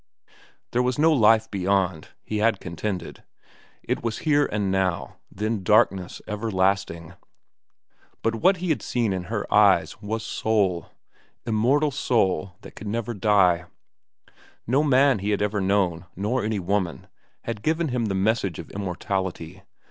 There was no life beyond, he had contended; it was here and now, then darkness everlasting. But what he had seen in her eyes was soul—immortal soul that could never die. No man he had known, nor any woman, had given him the message of immortality.